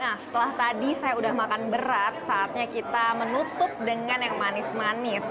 nah setelah tadi saya udah makan berat saatnya kita menutup dengan yang manis manis